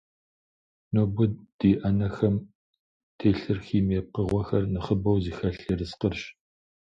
Нобэ ди Ӏэнэхэм телъыр химие пкъыгъуэхэр нэхъыбэу зыхэлъ ерыскъырщ.